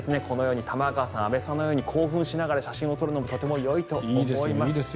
このように玉川さん、安部さんのように興奮しながら写真を撮るのもとてもいいと思います。